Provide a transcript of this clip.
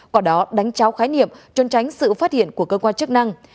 quả đó đánh cháo khái niệm trôn tránh sự phát hiện của cơ quan chức năng